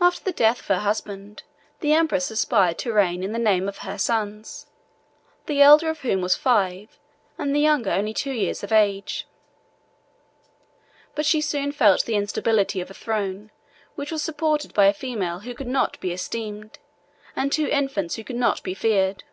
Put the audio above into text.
After the death of her husband, the empress aspired to reign in the name of her sons, the elder of whom was five, and the younger only two, years of age; but she soon felt the instability of a throne which was supported by a female who could not be esteemed, and two infants who could not be feared.